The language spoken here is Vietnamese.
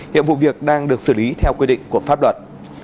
hiệp vụ việc đang được xử lý theo quyết định của pháp luật